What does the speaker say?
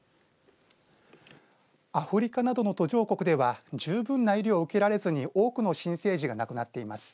アフリカなどの途上国ではじゅうぶんな医療を受けられずに多くの新生児が亡くなっています。